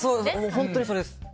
本当にそれです。